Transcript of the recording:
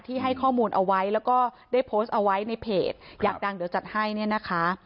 ให้ข้อมูลเอาไว้แล้วก็ได้โพสต์เอาไว้ในเพจอยากดังเดี๋ยวจัดให้เนี่ยนะคะ